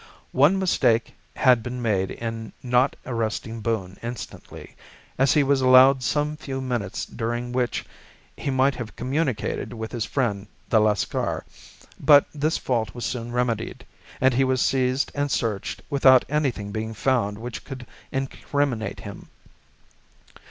One mistake had been made in not arresting Boone instantly, as he was allowed some few minutes during which he might have communicated with his friend the Lascar, but this fault was soon remedied, and he was seized and searched, without anything being found which could incriminate him.